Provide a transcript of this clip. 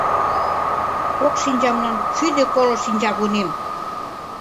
Кок шинчамлан шӱдӧ коло шинчавунем